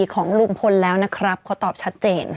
ของลุงพลแล้วนะครับเขาตอบชัดเจน